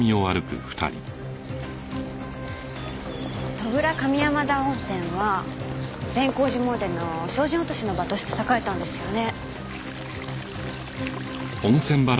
戸倉上山田温泉は善光寺詣での精進落としの場として栄えたんですよね。